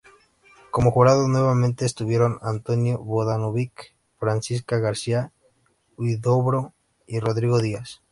Como jurado nuevamente estuvieron Antonio Vodanovic, Francisca García-Huidobro y Rodrigo Díaz.